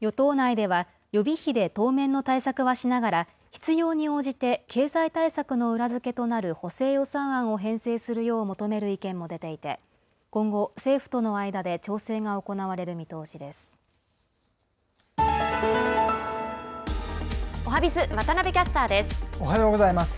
与党内では、予備費で当面の対策はしながら、必要に応じて経済対策の裏付けとなる補正予算案を編成するよう求める意見も出ていて、今後、政府との間で調整が行われる見通しでおはＢｉｚ、おはようございます。